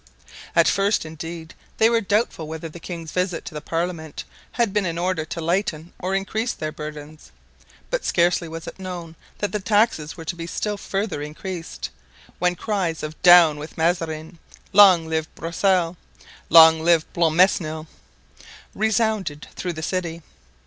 At first, indeed, they were doubtful whether the king's visit to the parliament had been in order to lighten or increase their burdens; but scarcely was it known that the taxes were to be still further increased, when cries of "Down with Mazarin!" "Long live Broussel!" "Long live Blancmesnil!" resounded through the city.